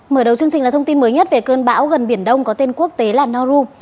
mở đầu chương trình là thông tin mới nhất về cơn bão gần biển đông có tên quốc tế là naru